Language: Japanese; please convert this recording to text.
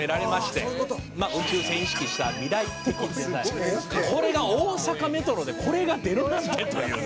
「まあ宇宙船意識した未来的デザイン」大阪メトロでこれが出るなんてというね。